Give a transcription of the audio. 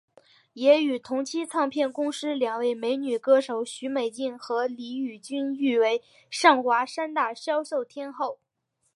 也与同期唱片公司两位女歌手许美静和李翊君誉为上华三大销售天后。